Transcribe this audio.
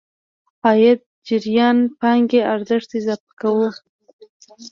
عايدي جريان پانګې ارزښت اضافه کوو.